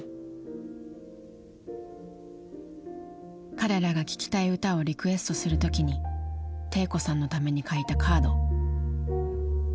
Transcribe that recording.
彼らが聴きたい歌をリクエストする時に悌子さんのために書いたカード。